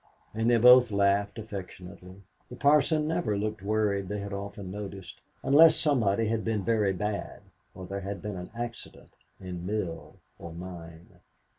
And they both laughed affectionately. The parson never looked worried, they often had noticed, unless somebody had been very bad or there had been an accident in mill or mine.